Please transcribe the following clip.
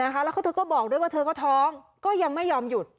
แล้วเธอก็บอกด้วยว่าเธอก็ท้องก็ยังไม่ยอมหยุด